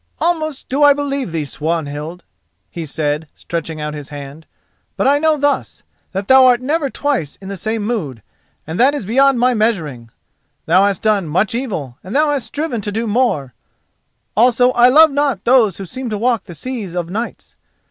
"Almost do I believe thee, Swanhild," he said, stretching out his hand; "but I know thus: that thou art never twice in the same mood, and that is beyond my measuring. Thou hast done much evil and thou hast striven to do more; also I love not those who seem to walk the seas o' nights.